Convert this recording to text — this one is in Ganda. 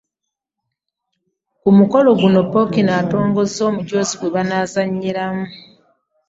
Ku mukolo guno Ppookino atongozza omujoozi gwe banaazannyiramu